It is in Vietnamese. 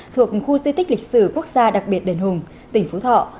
thuộc khu di tích lịch sử quốc gia đặc biệt đền hùng tỉnh phú thọ